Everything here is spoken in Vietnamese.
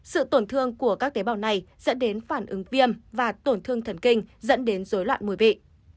sự tổn thương của các tế bào này dẫn đến phản ứng viêm và tổn thương thần kinh dẫn đến dối loạn mùi vị